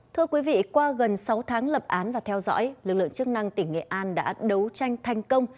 thưa quý vị qua gần sáu tháng lập án và theo dõi lực lượng chức năng tỉnh nghệ an đã đấu tranh thành công